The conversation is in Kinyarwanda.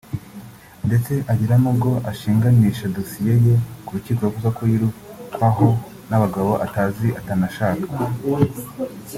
ndetse agera nubwo ashinganisha dosiye ye ku rukiko avuga ko yirukwaho n’abagabo atazi atanashaka